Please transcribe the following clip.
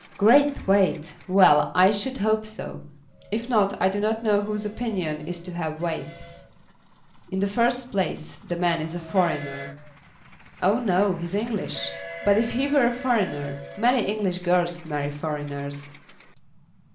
"Great weight! Well; I should hope so. If not, I do not know whose opinion is to have weight. In the first place the man is a foreigner." "Oh, no; he is English. But if he were a foreigner: many English girls marry foreigners."